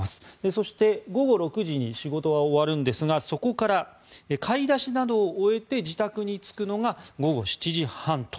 そして、午後６時に仕事は終わるんですがそこから買い出しなどを終えて自宅に着くのが午後７時半と。